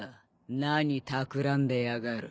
何たくらんでやがる？